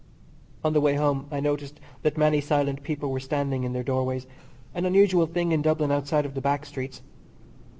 On the way home I noticed that many silent people were standing in their doorways an unusual thing in Dublin outside of the back streets.